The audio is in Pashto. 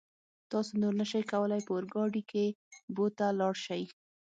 تاسو نور نشئ کولای په اورګاډي کې بو ته لاړ شئ.